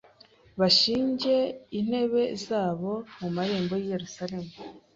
bashinge intebe zabo mu marembo y’i Yerusalemu